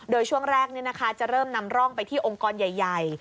โดยช่วงแรกจะเริ่มนำร่องไปที่องค์กรใหญ่